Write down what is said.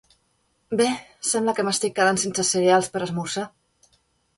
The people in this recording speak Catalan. Bé, sembla que m'estic quedant sense cereals per a esmorzar.